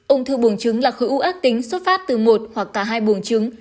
ung thư bùng trứng là khối ưu ác tính xuất phát từ một hoặc cả hai bùng trứng